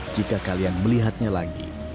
jika kalian melihatnya lagi